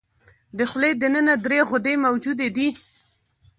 د خولې د ننه درې غدې موجودې دي.